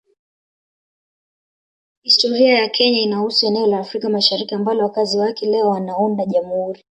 Historia ya Kenya inahusu eneo la Afrika Mashariki ambalo wakazi wake leo wanaunda Jamhuri